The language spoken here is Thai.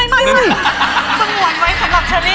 สงวนไว้ขนาดฉะนี้